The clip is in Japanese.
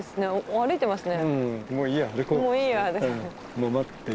歩いてますね。